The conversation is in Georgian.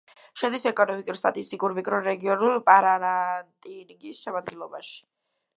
შედის ეკონომიკურ-სტატისტიკურ მიკრორეგიონ პარანატინგის შემადგენლობაში.